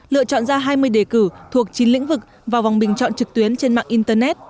lựa chọn ra hai mươi đề cử thuộc chín lĩnh vực vào vòng bình chọn trực tuyến trên mạng internet